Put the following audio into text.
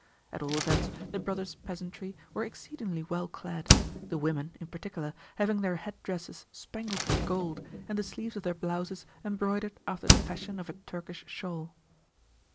At all events, the brothers' peasantry were exceedingly well clad the women, in particular, having their head dresses spangled with gold, and the sleeves of their blouses embroidered after the fashion of a Turkish shawl.